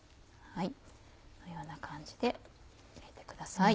このような感じで入れてください。